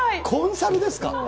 コンサルですか？